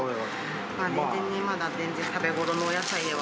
全然まだ全然食べごろのお野菜では。